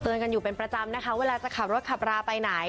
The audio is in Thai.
กันอยู่เป็นประจำนะคะเวลาจะขับรถขับราไปไหน